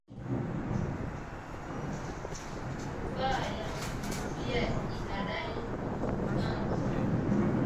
Rufaa ya Tchize pia inadai kwamba